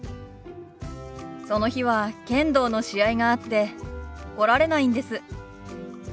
その日は剣道の試合があって来られないんです。